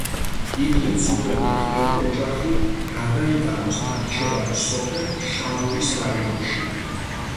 იგი იძულებული ხდება ოჯახი გადაიტანოს ნახჩევანის სოფელ შარურის რაიონში.